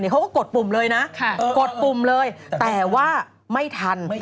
เขาก็กดปุ่มเลยแต่ว่าไม่ทัน